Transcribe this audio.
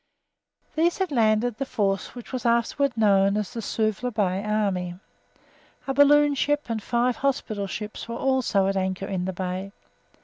These had landed the force which was afterwards known as the Suvla Bay Army. A balloon ship and five hospital ships were also at anchor in the bay.